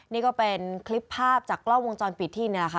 นี่ก็เป็นคลิปภาพจากกล้องวงจรปิดที่นี่แหละค่ะ